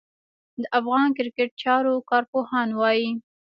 د افغان کرېکټ چارو کارپوهان وايي